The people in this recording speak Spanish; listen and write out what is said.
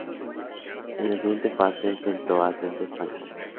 En la siguiente fase enfrentó a Centro Español.